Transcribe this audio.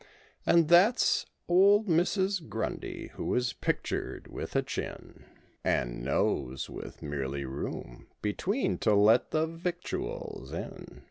And that's old Mrs. Grundy who is pictured with a chin And nose with merely room between to let the victuals in.